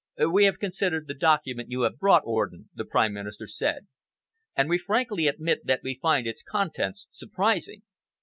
"We have considered the document you have brought, Orden," the Prime Minister said, "and we frankly admit that we find its contents surprising.